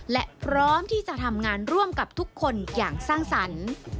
และพร้อมที่จะทำงานร่วมกับทุกคนอย่างสร้างสรรค์